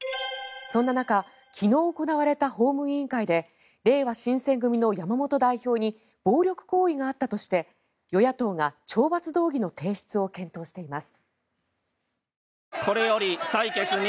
そんな中昨日行われた法務委員会でれいわ新選組の山本代表に暴力行為があったとして与野党が懲罰動議の提出を検討しています。